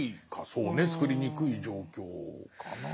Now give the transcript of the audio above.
そうねつくりにくい状況かな。